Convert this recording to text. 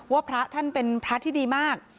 พระท่านเป็นพระที่ดีมาก